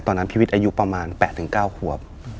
ตอนนั้นพีวิทอายุประมาณ๘๙ครับ